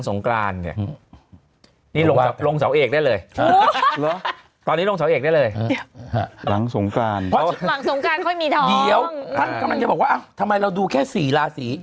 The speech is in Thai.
ท่านกำลังจะบอกว่าทำไมเราดูแค่สี่ราศี